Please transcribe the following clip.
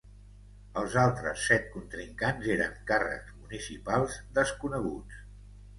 Els altres set contrincants eren càrrecs municipals desconeguts.